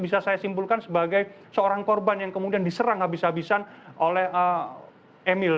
bisa saya simpulkan sebagai seorang korban yang kemudian diserang habis habisan oleh emil